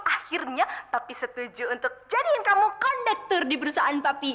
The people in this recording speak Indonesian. akhirnya tapi setuju untuk jadiin kamu kondektur di perusahaan papi